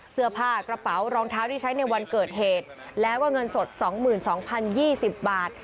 เสื้อผ้ากระเป๋ารองเท้าที่ใช้ในวันเกิดเหตุแล้วก็เงินสดสองหมื่นสองพันยี่สิบบาท